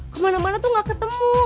kemana mana tuh gak ketemu